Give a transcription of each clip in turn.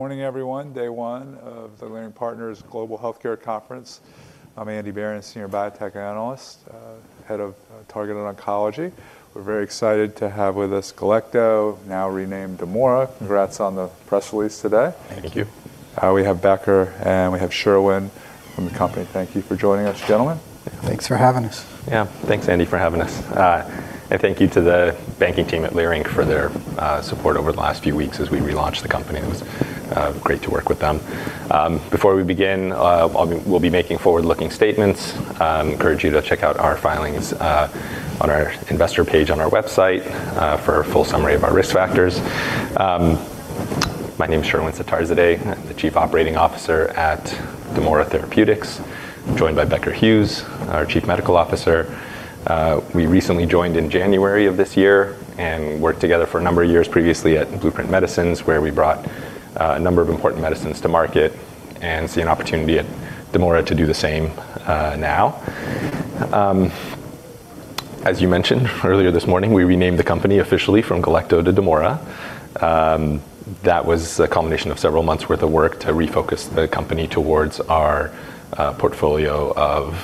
Morning, everyone. Day one of the Leerink Partners Global Healthcare Conference. I'm Andrew Berens, senior biotech analyst, head of Targeted Oncology. We're very excited to have with us Galecto, now renamed Damora. Congrats on the press release today. Thank you. We have Becker, and we have Sherwin from the company. Thank you for joining us, gentlemen. Thanks for having us. Yeah. Thanks, Andy, for having us. Thank you to the banking team at Leerink for their support over the last few weeks as we relaunched the company. It was great to work with them. Before we begin, we'll be making forward-looking statements. Encourage you to check out our filings on our investor page on our website for a full summary of our risk factors. My name is Sherwin Sattarzadeh. I'm the Chief Operating Officer at Damora Therapeutics. I'm joined by Becker Hewes, our Chief Medical Officer. We recently joined in January of this year and worked together for a number of years previously at Blueprint Medicines, where we brought a number of important medicines to market and see an opportunity at Damora to do the same now. As you mentioned earlier this morning, we renamed the company officially from Galecto to Damora. That was a culmination of several months' worth of work to refocus the company towards our portfolio of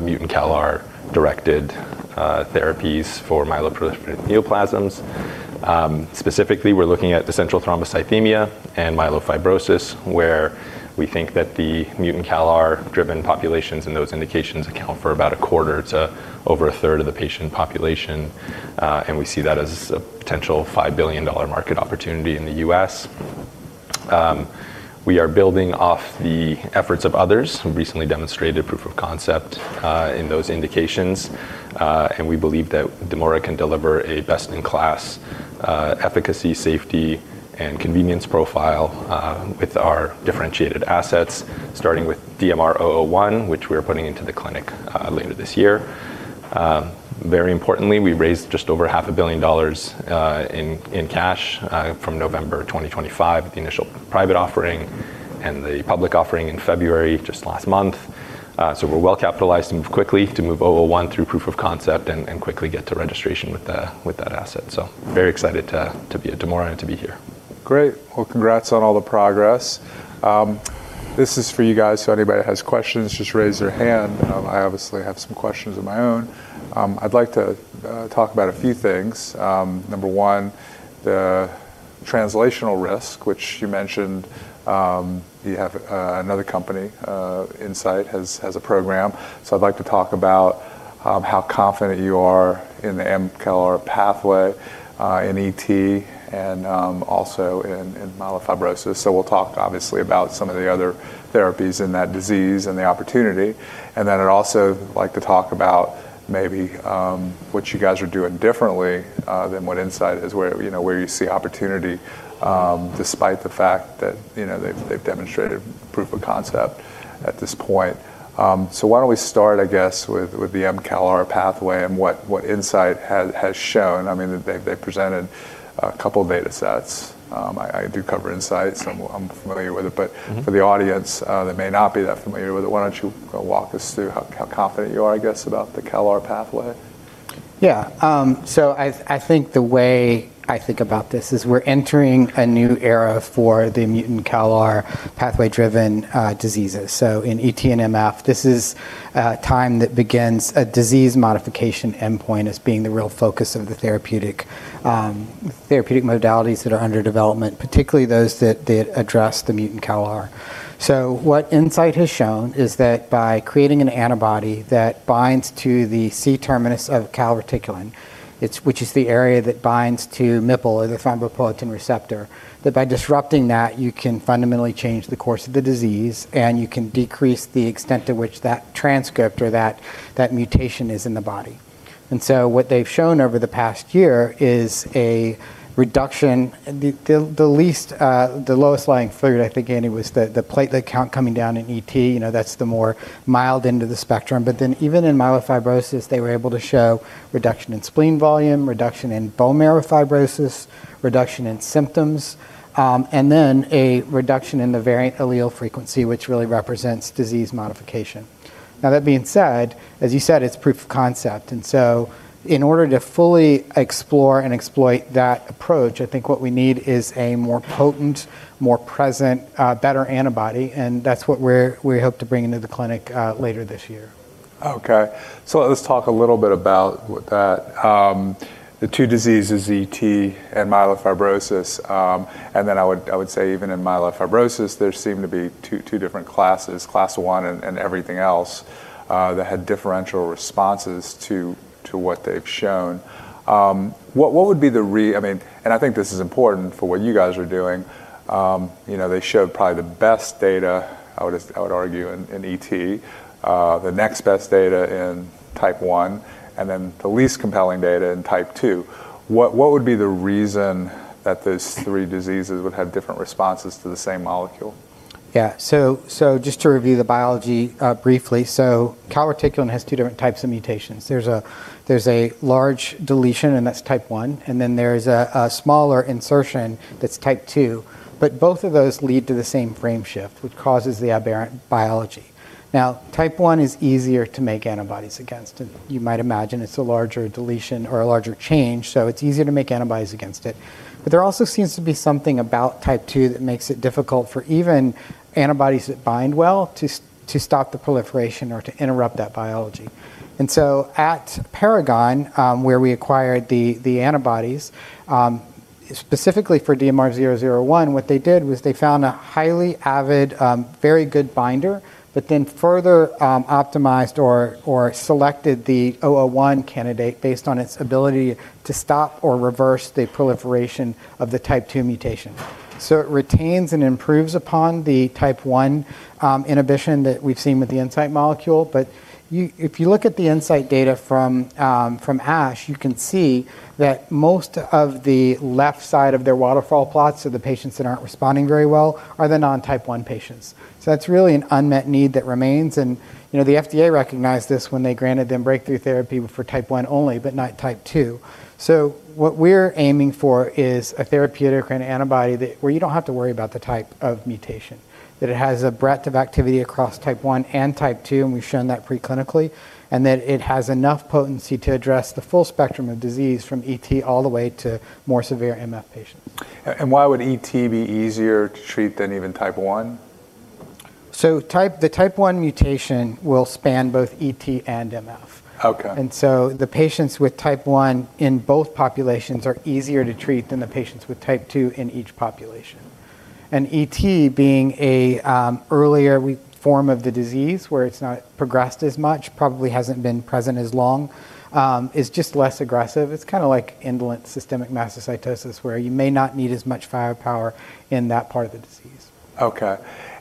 mutant CALR directed therapies for myeloproliferative neoplasms. Specifically, we're looking at essential thrombocythemia and myelofibrosis, where we think that the mutant CALR-driven populations in those indications account for about a quarter to over a third of the patient population, and we see that as a potential $5 billion market opportunity in the U.S.. We are building off the efforts of others who recently demonstrated proof of concept in those indications. We believe that Damora can deliver a best-in-class efficacy, safety, and convenience profile with our differentiated assets, starting with DMR-001, which we're putting into the clinic later this year. Very importantly, we raised just over half a billion dollars in cash from November 2025, the initial private offering and the public offering in February just last month. We're well-capitalized to move quickly to move 001 through proof of concept and quickly get to registration with that asset. Very excited to be at Damora and to be here. Great. Well, congrats on all the progress. This is for you guys, so anybody has questions, just raise their hand. I obviously have some questions of my own. I'd like to talk about a few things. Number one, the translational risk, which you mentioned. You have another company, Incyte, has a program. I'd like to talk about how confident you are in the CALR pathway in ET and also in myelofibrosis. We'll talk obviously about some of the other therapies in that disease and the opportunity. I'd also like to talk about maybe what you guys are doing differently than what Incyte is where, you know, where you see opportunity, despite the fact that, you know, they've demonstrated proof of concept at this point. Why don't we start, I guess, with the CALR pathway and what Incyte has shown. I mean, they've presented a couple datasets. I do cover Incyte, so I'm familiar with it.... for the audience that may not be that familiar with it, why don't you walk us through how confident you are, I guess, about the CALR pathway? I think the way I think about this is we're entering a new era for the mutant CALR pathway-driven diseases. In ET and MF, this is a time that begins a disease modification endpoint as being the real focus of the therapeutic modalities that are under development, particularly those that address the mutant CALR. What Incyte has shown is that by creating an antibody that binds to the C-terminus of calreticulin, which is the area that binds to MPL or the thrombopoietin receptor, that by disrupting that, you can fundamentally change the course of the disease, and you can decrease the extent to which that transcript or that mutation is in the body. What they've shown over the past year is a reduction... The least, the lowest lying fruit, I think, Andy, was the platelet count coming down in ET. You know, that's the more mild end of the spectrum. Even in myelofibrosis, they were able to show reduction in spleen volume, reduction in bone marrow fibrosis, reduction in symptoms, and then a reduction in the variant allele frequency, which really represents disease modification. Now, that being said, as you said, it's proof of concept. In order to fully explore and exploit that approach, I think what we need is a more potent, more present, better antibody, and that's what we hope to bring into the clinic later this year. Let's talk a little bit about that. The two diseases, ET and myelofibrosis, I would say even in myelofibrosis, there seem to be two different classes, Class One and everything else, that had differential responses to what they've shown. What would be the I mean, I think this is important for what you guys are doing. You know, they showed probably the best data, I would argue, in ET, the next best data in Type one, the least compelling data in Type two. What would be the reason that those three diseases would have different responses to the same molecule? Just to review the biology briefly. Calreticulin has two different types of mutations. There's a large deletion, and that's Type one, and then there's a smaller insertion that's Type two, but both of those lead to the same frame shift, which causes the aberrant biology. Now, Type one is easier to make antibodies against. You might imagine it's a larger deletion or a larger change, so it's easier to make antibodies against it. But there also seems to be something about Type two that makes it difficult for even antibodies that bind well to stop the proliferation or to interrupt that biology. At Paragon, where we acquired the antibodies, Specifically for DMR-001, what they did was they found a highly avid, very good binder, but then further optimized or selected the 001 candidate based on its ability to stop or reverse the proliferation of the Type two mutation. It retains and improves upon the Type one inhibition that we've seen with the Incyte molecule. If you look at the Incyte data from ASH, you can see that most of the left side of their waterfall plots are the patients that aren't responding very well are the non-Type one patients. That's really an unmet need that remains, and, you know, the FDA recognized this when they granted them Breakthrough Therapy for Type one only, but not Type two. What we're aiming for is a therapeutic or an antibody where you don't have to worry about the type of mutation, that it has a breadth of activity across Type one and Type two, and we've shown that preclinically, and that it has enough potency to address the full spectrum of disease from ET all the way to more severe MF patients. Why would ET be easier to treat than even Type one? The Type one mutation will span both ET and MF. Okay. The patients with Type one in both populations are easier to treat than the patients with Type two in each population. ET being a earlier form of the disease where it's not progressed as much, probably hasn't been present as long, is just less aggressive. It's kinda like indolent systemic mastocytosis where you may not need as much firepower in that part of the disease.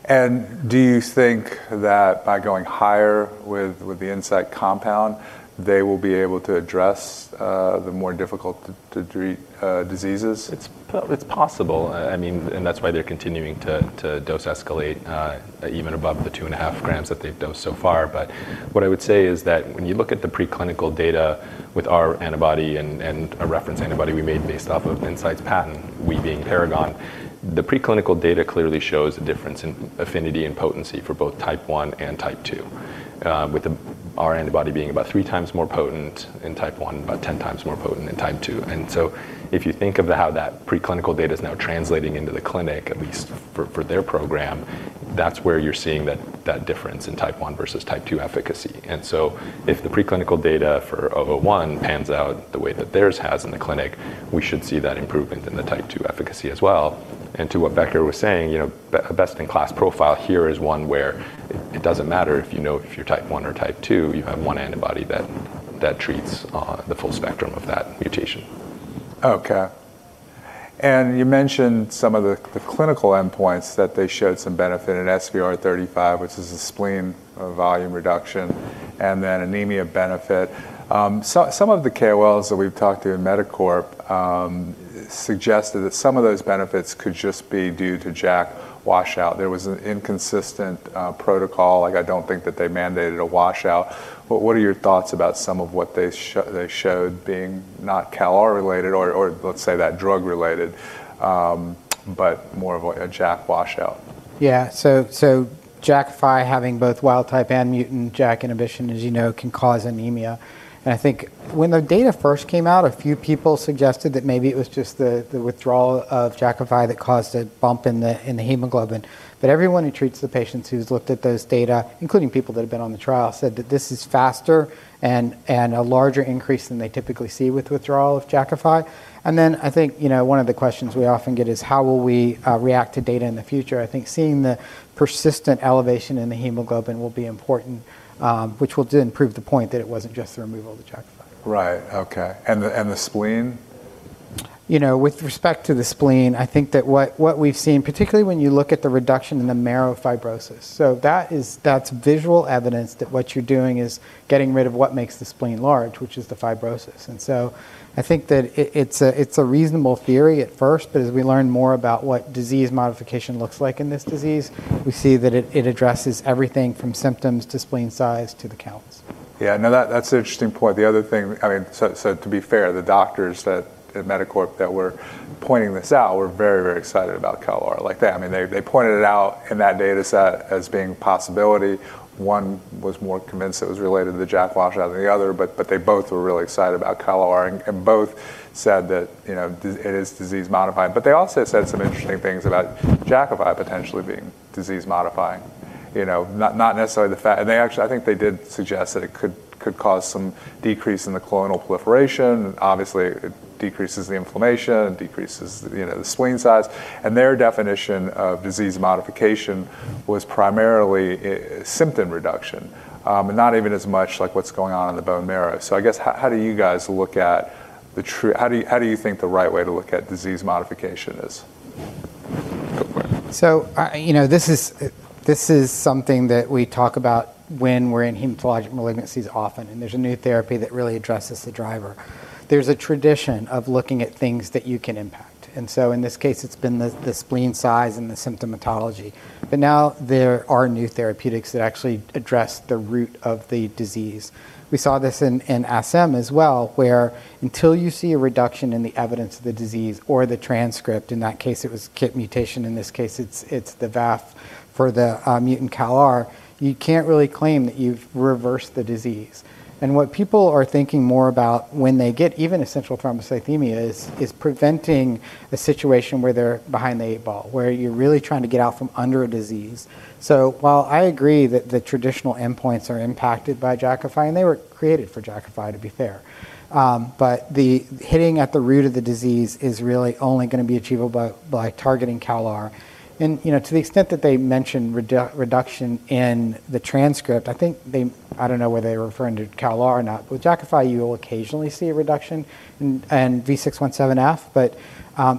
Okay. Do you think that by going higher with the Incyte compound, they will be able to address the more difficult to treat diseases? It's possible. I mean, that's why they're continuing to dose escalate, even above the 2.5 grams that they've dosed so far. What I would say is that when you look at the preclinical data with our antibody and a reference antibody we made based off of Incyte's patent, we being Paragon, the preclinical data clearly shows a difference in affinity and potency for both Type one and Type two, with our antibody being about three times more potent in Type one, about 10 times more potent in Type two. If you think of how that preclinical data is now translating into the clinic, at least for their program, that's where you're seeing that difference in Type one versus Type two efficacy. If the preclinical data for 001 pans out the way that theirs has in the clinic, we should see that improvement in the Type two efficacy as well. To what Becker was saying, you know, best in class profile here is one where it doesn't matter if you know if you're Type one or Type two. You have one antibody that treats the full spectrum of that mutation. You mentioned some of the clinical endpoints that they showed some benefit in SVR35, which is a spleen volume reduction, and then anemia benefit. Some of the KOLs that we've talked to in MEDACorp suggested that some of those benefits could just be due to JAK washout. There was an inconsistent protocol. Like, I don't think that they mandated a washout. What are your thoughts about some of what they showed being not CALR related or let's say that drug related, but more of a JAK washout? Yeah. Jakafi having both wild-type and mutant JAK inhibition, as you know, can cause anemia. I think when the data first came out, a few people suggested that maybe it was just the withdrawal of Jakafi that caused a bump in the hemoglobin. Everyone who treats the patients who's looked at those data, including people that have been on the trial, said that this is faster and a larger increase than they typically see with withdrawal of Jakafi. I think, you know, one of the questions we often get is how will we react to data in the future? I think seeing the persistent elevation in the hemoglobin will be important, which will then prove the point that it wasn't just the removal of the Jakafi. Right. Okay. The spleen? You know, with respect to the spleen, I think that what we've seen, particularly when you look at the reduction in the marrow fibrosis. That's visual evidence that what you're doing is getting rid of what makes the spleen large, which is the fibrosis. I think that it's a reasonable theory at first, but as we learn more about what disease modification looks like in this disease, we see that it addresses everything from symptoms to spleen size to the counts. Yeah. No. That, that's an interesting point. I mean, so to be fair, the doctors that at MEDACorp that were pointing this out were very, very excited about CALR. I mean, they pointed it out in that dataset as being possibility. One was more convinced it was related to the JAK washout than the other, but they both were really excited about CALR, and both said that, you know, it is disease modifying. They also said some interesting things about Jakafi potentially being disease modifying. You know, not necessarily the fact. They actually I think they did suggest that it could cause some decrease in the clonal proliferation. Obviously, it decreases the inflammation, it decreases, you know, the spleen size. Their definition of disease modification was primarily symptom reduction, and not even as much like what's going on in the bone marrow. I guess how do you guys look at how do you think the right way to look at disease modification is? Go for it. You know, this is something that we talk about when we're in hematologic malignancies often, and there's a new therapy that really addresses the driver. There's a tradition of looking at things that you can impact. In this case, it's been the spleen size and the symptomatology. Now there are new therapeutics that actually address the root of the disease. We saw this in SM as well, where until you see a reduction in the evidence of the disease or the transcript, in that case it was KIT mutation, in this case it's the VAF for the mutant CALR, you can't really claim that you've reversed the disease. What people are thinking more about when they get even essential thrombocythemia is preventing a situation where they're behind the eight ball, where you're really trying to get out from under a disease. While I agree that the traditional endpoints are impacted by Jakafi, and they were created for Jakafi, to be fair, but the hitting at the root of the disease is really only gonna be achievable by targeting CALR. You know, to the extent that they mention reduction in the transcript, I don't know whether they were referring to CALR or not, but with Jakafi you'll occasionally see a reduction in V617F, but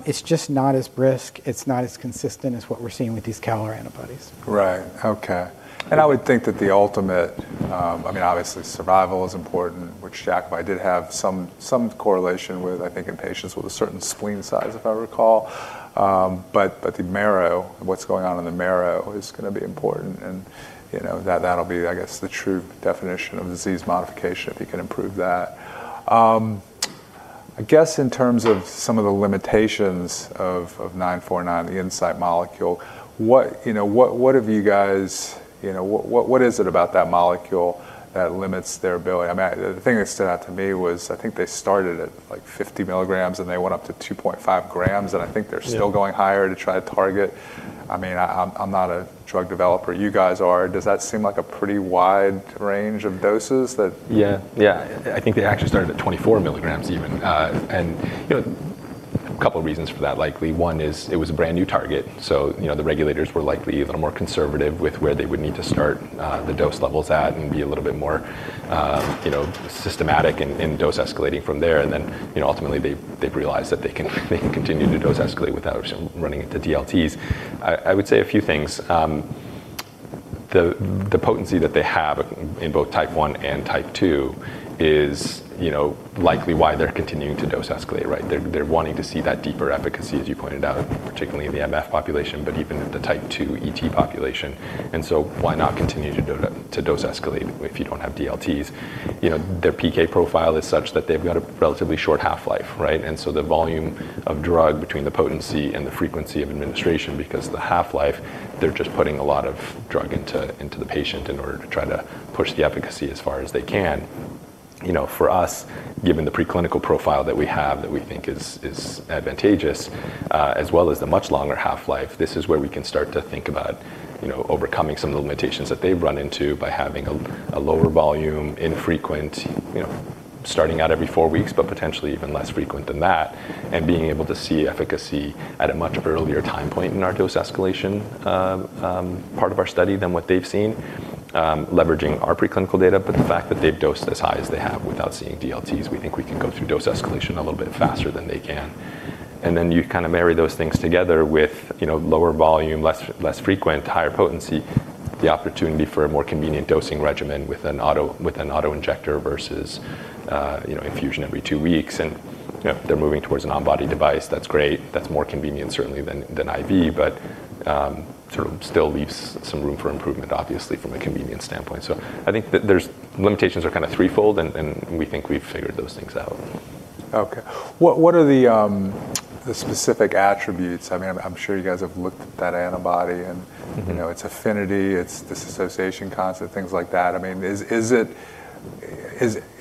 it's just not as brisk, it's not as consistent as what we're seeing with these CALR antibodies. Right. Okay. I would think that the ultimate, I mean, obviously survival is important, which Jakafi did have some correlation with, I think, in patients with a certain spleen size if I recall. But the marrow, what's going on in the marrow is gonna be important and, you know, that'll be, I guess, the true definition of disease modification if you can improve that. I guess in terms of some of the limitations of nine four nine, the Incyte molecule, what, you know, what have you guys, you know, what is it about that molecule that limits their ability? I mean, the thing that stood out to me was I think they started at like 50 mg, and they went up to 2.5 g, and I think they're still going higher to try to target. I mean, I'm not a drug developer. You guys are. Does that seem like a pretty wide range of doses that- Yeah. Yeah. I think they actually started at 24 milligrams even. You know, a couple reasons for that likely. One is it was a brand-new target, so you know, the regulators were likely a little more conservative with where they would need to start, the dose levels at and be a little bit more, you know, systematic in dose escalating from there. You know, ultimately they've realized that they can, they can continue to dose escalate without running into DLTs. I would say a few things. The potency that they have in both Type one and Type two is, you know, likely why they're continuing to dose escalate, right? They're, they're wanting to see that deeper efficacy, as you pointed out, particularly in the MF population, but even the Type two ET population. Why not continue to dose escalate if you don't have DLTs? You know, their PK profile is such that they've got a relatively short half-life, right? The volume of drug between the potency and the frequency of administration, because the half-life, they're just putting a lot of drug into the patient in order to try to push the efficacy as far as they can. You know, for us, given the preclinical profile that we have that we think is advantageous, as well as the much longer half-life, this is where we can start to think about, you know, overcoming some of the limitations that they've run into by having a lower volume, infrequent, you know, starting out every four weeks, but potentially even less frequent than that, and being able to see efficacy at a much earlier time point in our dose escalation part of our study than what they've seen, leveraging our preclinical data. The fact that they've dosed as high as they have without seeing DLTs, we think we can go through dose escalation a little bit faster than they can. You kind of marry those things together with, you know, lower volume, less frequent, higher potency, the opportunity for a more convenient dosing regimen with an auto-injector versus, you know, infusion every two weeks. You know, if they're moving towards a non-body device, that's great. That's more convenient certainly than IV, but sort of still leaves some room for improvement, obviously, from a convenience standpoint. I think that there's limitations are kinda threefold, and we think we've figured those things out. Okay. What are the specific attributes? I mean, I'm sure you guys have looked at that antibody.... you know, its affinity, its disassociation concept, things like that. I mean, is it...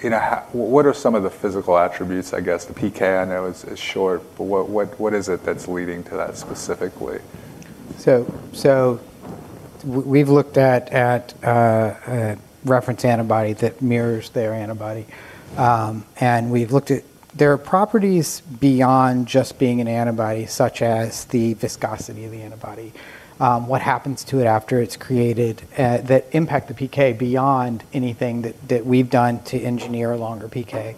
You know, what are some of the physical attributes, I guess? The PK I know is short, but what is it that's leading to that specifically? We've looked at a reference antibody that mirrors their antibody. There are properties beyond just being an antibody, such as the viscosity of the antibody, what happens to it after it's created, that impact the PK beyond anything that we've done to engineer a longer PK.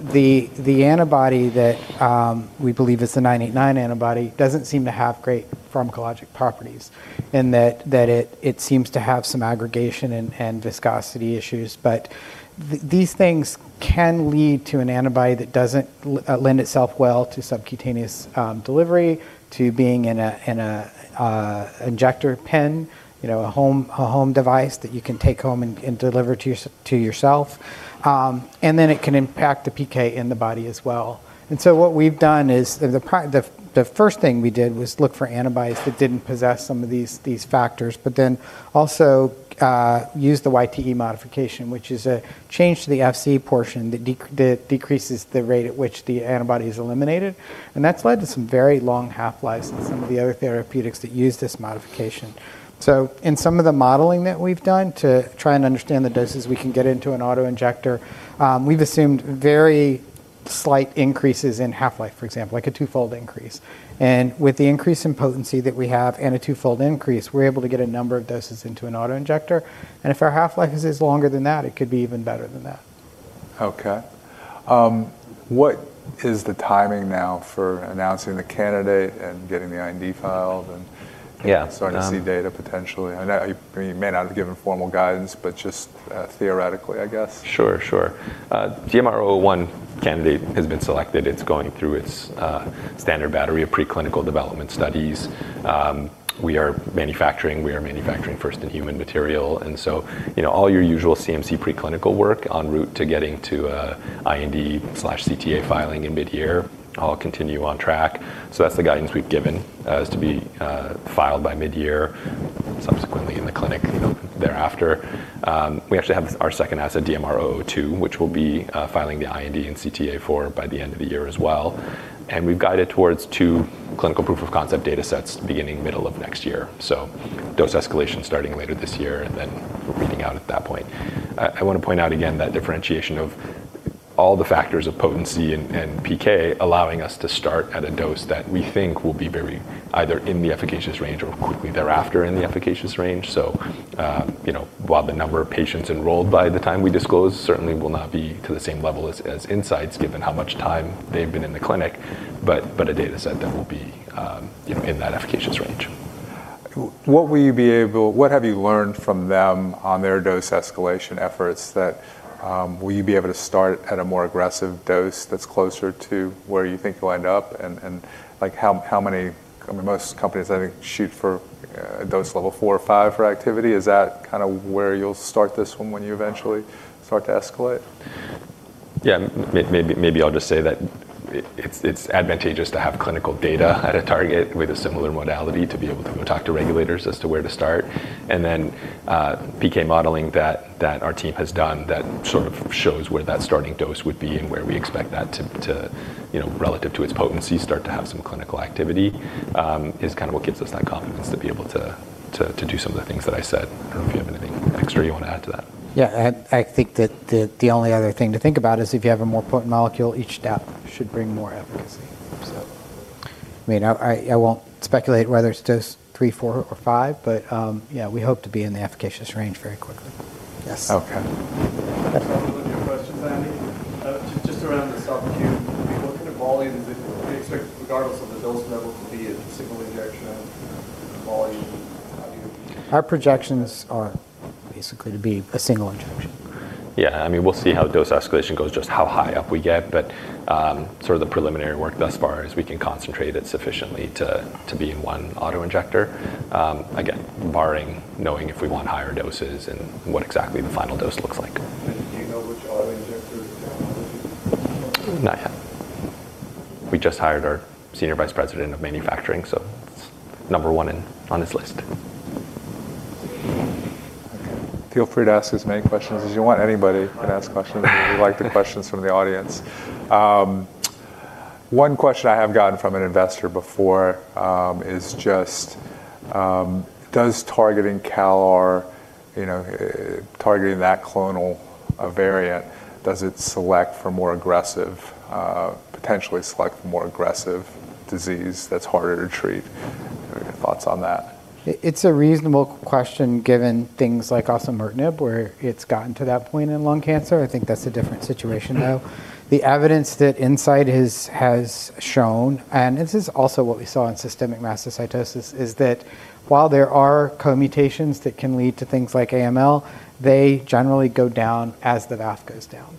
The antibody that we believe is the nine eight nine antibody doesn't seem to have great pharmacologic properties in that it seems to have some aggregation and viscosity issues. These things can lead to an antibody that doesn't lend itself well to subcutaneous delivery, to being in an injector pen, you know, a home device that you can take home and deliver to yourself. It can impact the PK in the body as well. What we've done is the first thing we did was look for antibodies that didn't possess some of these factors, but also used the YTE modification, which is a change to the Fc portion that decreases the rate at which the antibody is eliminated, and that's led to some very long half-lives in some of the other therapeutics that use this modification. In some of the modeling that we've done to try and understand the doses we can get into an auto-injector, we've assumed very slight increases in half-life, for example, like a twofold increase. With the increase in potency that we have and a twofold increase, we're able to get a number of doses into an auto-injector. If our half-life is as longer than that, it could be even better than that. What is the timing now for announcing the candidate and getting the IND filed? Yeah. ... starting to see data potentially? I know you, I mean, you may not have given formal guidance, but just, theoretically, I guess. Sure, sure. DMR-001 candidate has been selected. It's going through its standard battery of preclinical development studies. We are manufacturing first-in-human material, and so, you know, all your usual CMC preclinical work en route to getting to IND/CTA filing in mid-year, all continue on track. That's the guidance we've given, is to be filed by mid-year, subsequently in the clinic, you know, thereafter. We actually have our second asset, DMR-002, which we'll be filing the IND and CTA for by the end of the year as well. We've guided towards two clinical proof of concept datasets beginning middle of next year. Dose escalation starting later this year and then reading out at that point. I wanna point out again that differentiation of all the factors of potency and PK allowing us to start at a dose that we think will be very either in the efficacious range or quickly thereafter in the efficacious range. You know, while the number of patients enrolled by the time we disclose certainly will not be to the same level as Incyte's given how much time they've been in the clinic, but a dataset that will be, you know, in that efficacious range. What have you learned from them on their dose escalation efforts that will you be able to start at a more aggressive dose that's closer to where you think you'll end up? Like, how many? I mean, most companies, I think, shoot for dose level four or five for activity. Is that kinda where you'll start this one when you eventually start to escalate? Yeah, maybe I'll just say that it's advantageous to have clinical data at a target with a similar modality to be able to go talk to regulators as to where to start. PK modeling that our team has done that sort of shows where that starting dose would be and where we expect that to, you know, relative to its potency, start to have some clinical activity, is kind of what gives us that confidence to be able to do some of the things that I said. I don't know if you have anything extra you want to add to that. Yeah. I think that the only other thing to think about is if you have a more potent molecule, each step should bring more efficacy. I mean, I won't speculate whether it's dose three, four or five, but, yeah, we hope to be in the efficacious range very quickly. Yes. Okay. A couple of 2 questions, Andy. Just around the subcu, what kind of volume do you expect regardless of the dose level to be a single injection volume? How do you... Our projections are basically to be a single injection. Yeah. I mean, we'll see how dose escalation goes, just how high up we get. Sort of the preliminary work thus far is we can concentrate it sufficiently to be in one auto-injector. Again, barring knowing if we want higher doses and what exactly the final dose looks like. Do you know which auto-injector technology? Not yet. We just hired our senior vice president of manufacturing, so it's number one on his list. Feel free to ask as many questions as you want. Anybody can ask questions. We like the questions from the audience. One question I have gotten from an investor before, is just, does targeting CALR, you know, targeting that clonal variant, does it select for more aggressive, potentially select more aggressive disease that's harder to treat? Thoughts on that. It's a reasonable question given things like osimertinib, where it's gotten to that point in lung cancer. I think that's a different situation, though. The evidence that Incyte has shown, and this is also what we saw in systemic mastocytosis, is that while there are co-mutations that can lead to things like AML, they generally go down as the VAF goes down.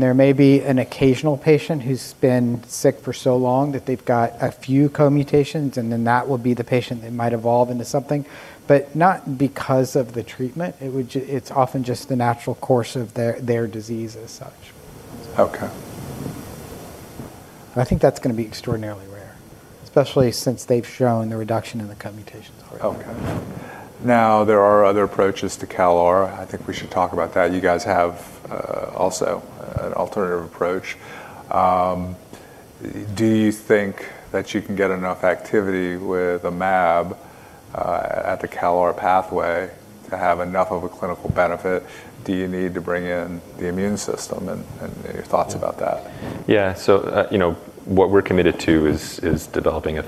There may be an occasional patient who's been sick for so long that they've got a few co-mutations, that will be the patient that might evolve into something, not because of the treatment. It's often just the natural course of their disease as such. Okay. I think that's going to be extraordinarily rare, especially since they've shown the reduction in the co-mutations already. Now, there are other approaches to CALR. I think we should talk about that. You guys have also an alternative approach. Do you think that you can get enough activity with a mAb at the CALR pathway to have enough of a clinical benefit? Do you need to bring in the immune system and your thoughts about that? You know, what we're committed to is developing a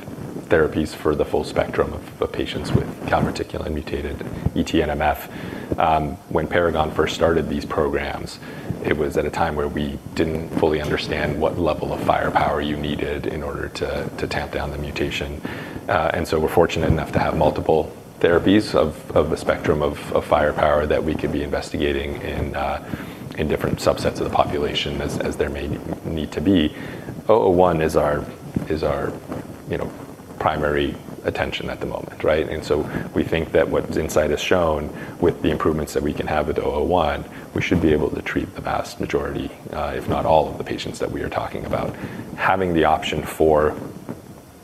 therapies for the full spectrum of patients with calreticulin mutated ET and MF. When Paragon first started these programs, it was at a time where we didn't fully understand what level of firepower you needed in order to tamp down the mutation. We're fortunate enough to have multiple therapies of a spectrum of firepower that we could be investigating in different subsets of the population as there may need to be. Oh-oh-one is our, you know, primary attention at the moment, right? We think that what Incyte has shown with the improvements that we can have with Oh-oh-one, we should be able to treat the vast majority, if not all of the patients that we are talking about. Having the option for,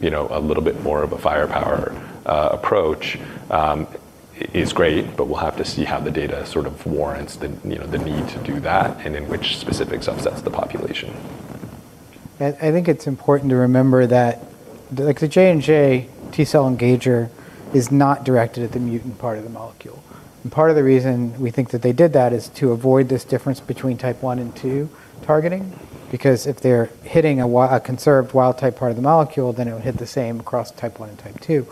you know, a little bit more of a firepower approach, is great, but we'll have to see how the data sort of warrants the, you know, the need to do that and in which specific subsets of the population. I think it's important to remember that like the J&J T-cell engager is not directed at the mutant part of the molecule. Part of the reason we think that they did that is to avoid this difference between Type one and Type two targeting, because if they're hitting a conserved wild type part of the molecule, then it would hit the same across Type one and Type two.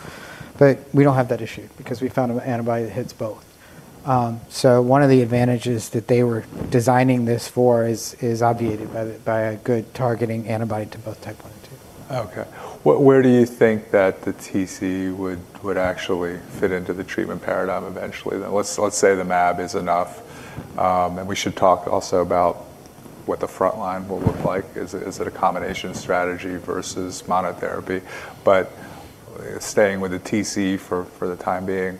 We don't have that issue because we found an antibody that hits both. One of the advantages that they were designing this for is obviated by the, by a good targeting antibody to both Type one and Type two. Where do you think that the TCE would actually fit into the treatment paradigm eventually, then? Let's say the mAb is enough. We should talk also about what the frontline will look like. Is it a combination strategy versus monotherapy? Staying with the TCE for the time being,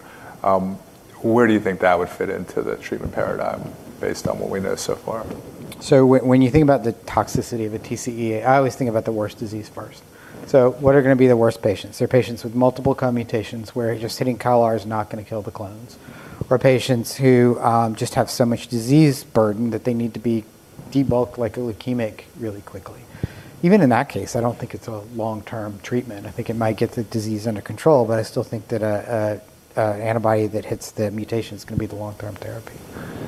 where do you think that would fit into the treatment paradigm based on what we know so far? When you think about the toxicity of a TCE, I always think about the worst disease first. What are gonna be the worst patients? They're patients with multiple co-mutations where just hitting CALR is not gonna kill the clones, or patients who just have so much disease burden that they need to be debulked like a leukemic really quickly. Even in that case, I don't think it's a long-term treatment. I think it might get the disease under control, but I still think that a antibody that hits the mutation is gonna be the long-term therapy.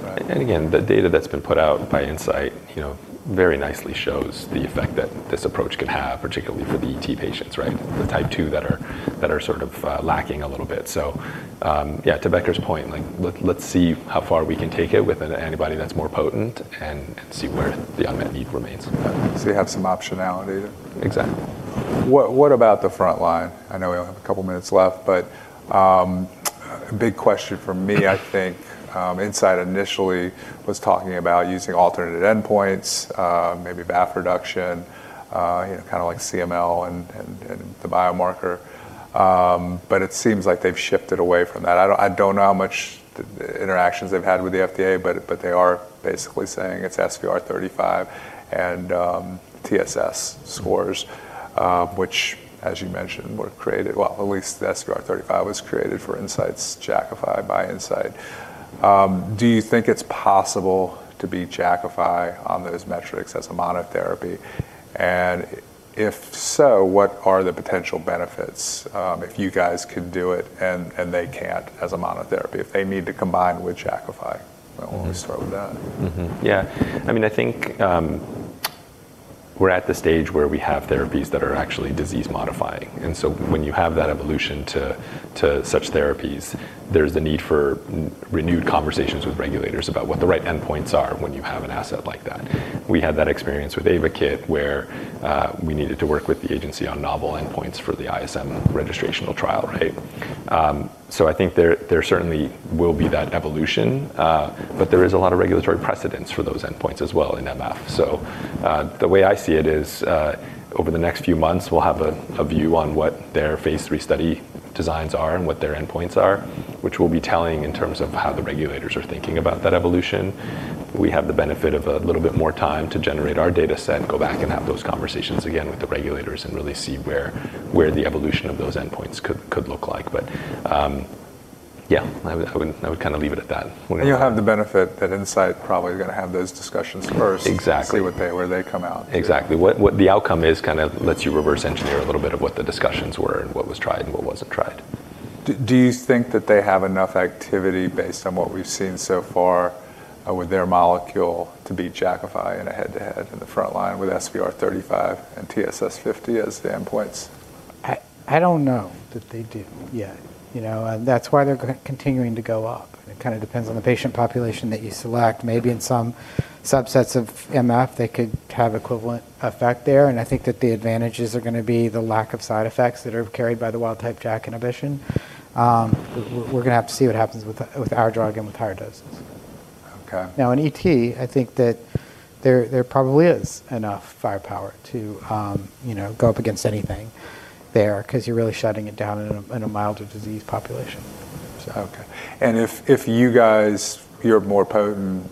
Right. Again, the data that's been put out by Incyte, you know, very nicely shows the effect that this approach could have, particularly for the ET patients, right? The Type two that are sort of lacking a little bit. Yeah, to Becker's point, like let's see how far we can take it with an antibody that's more potent and see where the unmet need remains. You have some optionality there? Exactly. What about the front line? I know we only have a couple minutes left, but a big question for me, I think, Incyte initially was talking about using alternative endpoints, maybe VAF reduction, you know, kinda like CML and the biomarker. It seems like they've shifted away from that. I don't know how much the interactions they've had with the FDA, but they are basically saying it's SVR35 and TSS scores, which as you mentioned were created... Well, at least the SVR35 was created for Incyte's Jakafi by Incyte. Do you think it's possible to beat Jakafi on those metrics as a monotherapy? If so, what are the potential benefits, if you guys can do it and they can't as a monotherapy, if they need to combine with Jakafi? Why don't we start with that? Yeah, I mean, I think, we're at the stage where we have therapies that are actually disease modifying. When you have that evolution to such therapies, there's the need for renewed conversations with regulators about what the right endpoints are when you have an asset like that. We had that experience with AYVAKIT, where we needed to work with the agency on novel endpoints for the ISM registrational trial, right? I think there certainly will be that evolution, but there is a lot of regulatory precedents for those endpoints as well in MF. The way I see it is, over the next few months, we'll have a view on what their phase three study designs are and what their endpoints are, which will be telling in terms of how the regulators are thinking about that evolution. We have the benefit of a little bit more time to generate our dataset and go back and have those conversations again with the regulators and really see where the evolution of those endpoints could look like. Yeah, I wouldn't... I would kinda leave it at that. You'll have the benefit that Incyte probably are gonna have those discussions first. Exactly see what they, where they come out. Exactly. What the outcome is kinda lets you reverse engineer a little bit of what the discussions were and what was tried and what wasn't tried. Do you think that they have enough activity based on what we've seen so far, with their molecule to beat Jakafi in a head-to-head in the front line with SVR35 and TSS50 as the endpoints? I don't know that they do yet, you know? That's why they're continuing to go up. It kinda depends on the patient population that you select. Maybe in some subsets of MF they could have equivalent effect there. I think that the advantages are gonna be the lack of side effects that are carried by the wild type JAK inhibition. We're gonna have to see what happens with our drug and with higher doses. Okay. In ET, I think that there probably is enough firepower to, you know, go up against anything there 'cause you're really shutting it down in a, in a milder disease population, so. Okay. If, if you guys, your more potent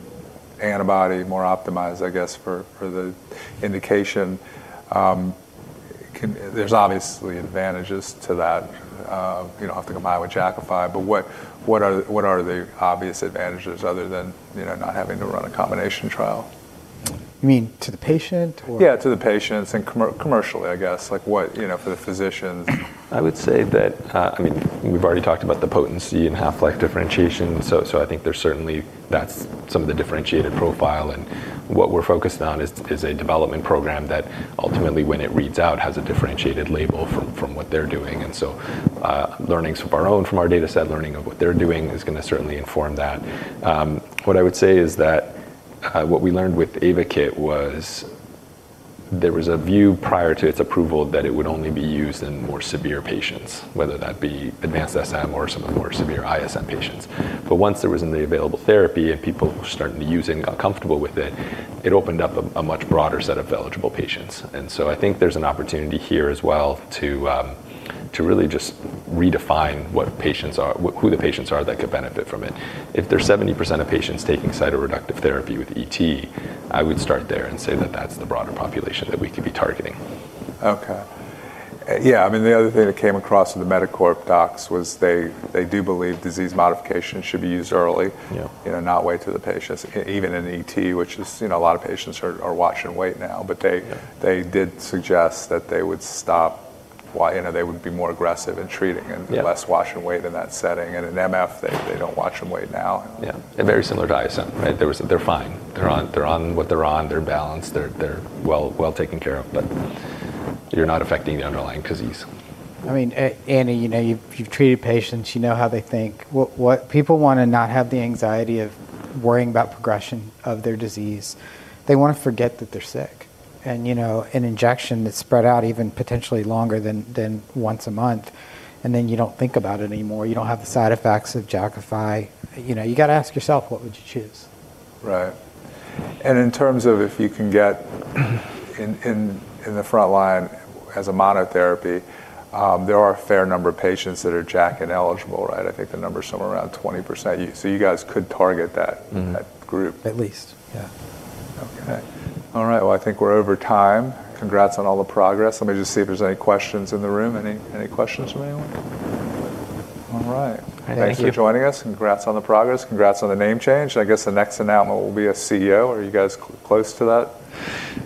antibody, more optimized, I guess, for the indication, there's obviously advantages to that, you know, have to combine with Jakafi, what are the obvious advantages other than, you know, not having to run a combination trial? You mean to the patient or- Yeah, to the patients and commercially, I guess. Like what, you know, for the physicians. I would say that, I mean, we've already talked about the potency and half-life differentiation, so I think there's certainly, that's some of the differentiated profile. What we're focused on is a development program that ultimately when it reads out, has a differentiated label from what they're doing. Learnings from our dataset, learning of what they're doing is gonna certainly inform that. What I would say is that, what we learned with AYVAKIT was there was a view prior to its approval that it would only be used in more severe patients, whether that be advanced SM or some of the more severe ISM patients. Once it was in the available therapy and people started using, got comfortable with it opened up a much broader set of eligible patients. I think there's an opportunity here as well to really just redefine who the patients are that could benefit from it. If there's 70% of patients taking cytoreductive therapy with ET, I would start there and say that that's the broader population that we could be targeting. I mean, the other thing that came across in the MEDACorp docs was they do believe disease modification should be used early. Yeah... you know, not wait till the patients... even in ET, which is, you know, a lot of patients are watch and wait now, but they- Yeah... they did suggest that they would stop you know, they would be more aggressive in treating... Yeah... less watch and wait in that setting. In MF they don't watch and wait now. Yeah. Very similar to ISM, right? They're fine. They're on what they're on. They're balanced. They're well taken care of, but you're not affecting the underlying disease. I mean, Andy, you know, you've treated patients. You know how they think. People wanna not have the anxiety of worrying about progression of their disease. They wanna forget that they're sick, and, you know, an injection that's spread out even potentially longer than once a month, and then you don't think about it anymore, you don't have the side effects of Jakafi, you know, you gotta ask yourself, what would you choose? Right. In terms of if you can get in the front line as a monotherapy, there are a fair number of patients that are JAK ineligible, right? I think the number's somewhere around 20%. You guys could target that.... that group. At least. Yeah. Okay. All right. Well, I think we're over time. Congrats on all the progress. Let me just see if there's any questions in the room. Any questions from anyone? All right. I think- Thank you for joining us. Congrats on the progress. Congrats on the name change. I guess the next announcement will be a CEO. Are you guys close to that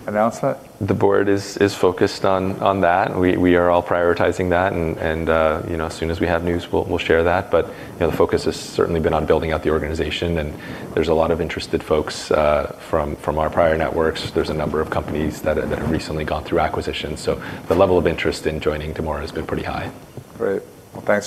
announcement? The board is focused on that. We are all prioritizing that, and, you know, as soon as we have news, we'll share that. You know, the focus has certainly been on building out the organization, and there's a lot of interested folks, from our prior networks. There's a number of companies that have recently gone through acquisitions. The level of interest in joining Damora has been pretty high. Great. Well, thanks.